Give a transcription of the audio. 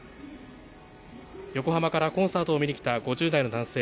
横浜からコンサートを見に来た５０代の男性。